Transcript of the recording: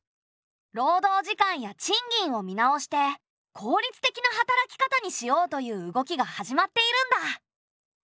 労働時間や賃金を見直して効率的な働き方にしようという動きが始まっているんだ。